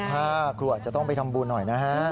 ถ้าครูอาจจะต้องไปทำบุญหน่อยนะฮะ